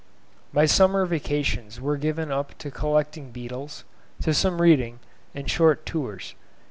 My summer vacations were given up to collecting beetles, to some reading, and short tours.